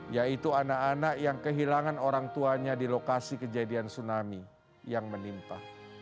yaitu anak anak yang kehilangan orang tuanya di lokasi kejadian tsunami yang menimpa